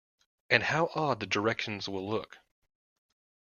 And how odd the directions will look!